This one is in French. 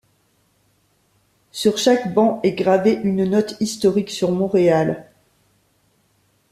Sur chaque banc est gravé une note historique sur Montréal.